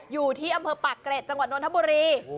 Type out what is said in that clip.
อยู่ที่อำเภอปากเกร็ดจังหวัดนทบุรี